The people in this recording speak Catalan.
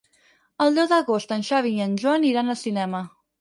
El deu d'agost en Xavi i en Joan iran al cinema.